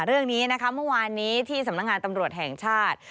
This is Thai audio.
เรื่องนี้นะคะเมื่อวานนี้ที่สำนักงานตำรวจแห่งชาติ